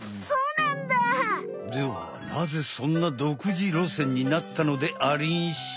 ではなぜそんなどくじろせんになったのでありんしょ？